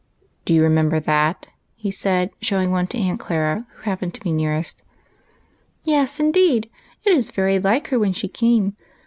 " Do you remember that ?" he said, showing one to Aunt Clara, who happened to be nearest. "Yes, indeed; it is very like her when she came.